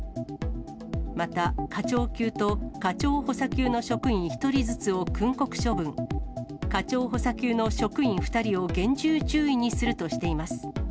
また課長級と課長補佐級の職員１人ずつを訓告処分、課長補佐級の職員２人を厳重注意にするとしています。